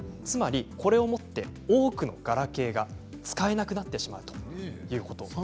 つまり、これをもって多くのガラケーが使えなくなってしまうということ。